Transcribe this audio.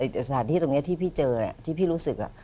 สถานที่ตรงนี้ที่พี่เจอที่พี่รู้สึก